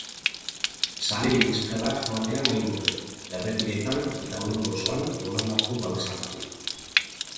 Zaleei eskerrak ematea nahi nuke, errepideetan eta mundu osoan emandako babesagatik.